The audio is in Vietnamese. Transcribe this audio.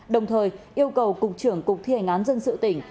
đồng thời yêu cầu cục trưởng cục thi hành án dân sự tỉnh